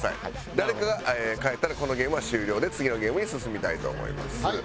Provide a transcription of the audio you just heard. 誰かが帰ったらこのゲームは終了で次のゲームに進みたいと思います。